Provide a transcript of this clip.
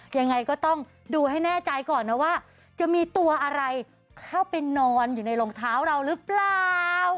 ยังไงก็ต้องดูให้แน่ใจก่อนนะว่าจะมีตัวอะไรเข้าไปนอนอยู่ในรองเท้าเราหรือเปล่า